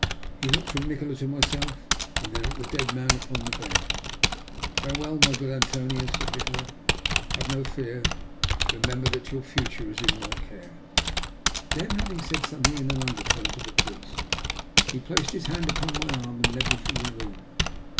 He looked from Nikola to myself, and then at the dead man upon the bed. "Farewell, my good Antonio," said Nikola. "Have no fear. Remember that your future is my care." Then, having said something in an undertone to the priest, he placed his hand upon my arm and led me from the room.